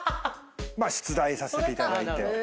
出題させていただいて。